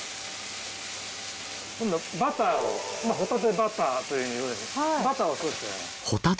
今度バターをホタテバターというふうにバターで閉じて。